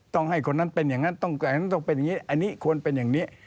ต้องให้คนนั้นเป็นอย่างนั้นต้องเป็นอย่างนี้อันนี้ควรเป็นอย่างนี้